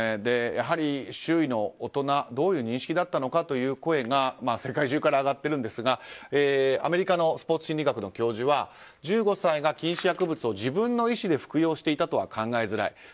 やはり、周囲の大人どういう認識だったのかという声が世界中から上がっているんですがアメリカのスポーツ心理学の教授は１５歳が禁止薬物を自分の意思で服用していたとは考えづらい。